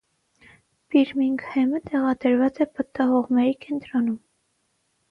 Բիրմինգհեմը տեղադրված է պտտահողմերի կենտրոնում։